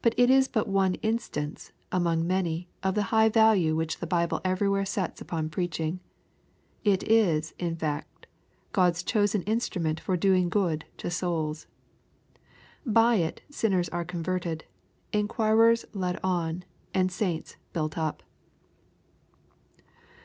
But it is but one instance, among many, of the high value which the Bible everywhere sets upon preaching. It is, in fetct, God's chosen instrument for doing good to souls. By it sinners are converted, inquirers led on, and saints built up.